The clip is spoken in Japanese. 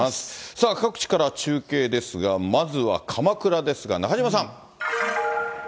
さあ、各地から中継ですが、まずは鎌倉ですが、中島さん。